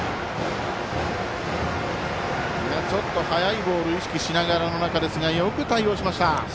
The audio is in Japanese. ちょっと速いボールを意識しながらよく対応しました。